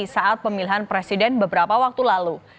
saat pemilihan presiden beberapa waktu lalu